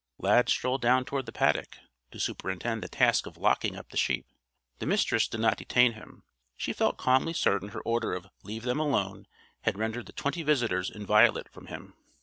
Lad strolled down toward the paddock to superintend the task of locking up the sheep. The Mistress did not detain him. She felt calmly certain her order of "Leave them alone!" had rendered the twenty visitors inviolate from him.